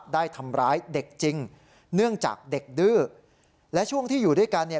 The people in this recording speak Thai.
ได้ทำร้ายเด็กจริงเนื่องจากเด็กดื้อและช่วงที่อยู่ด้วยกันเนี่ย